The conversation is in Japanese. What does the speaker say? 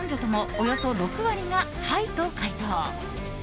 およそ６割がはいと回答。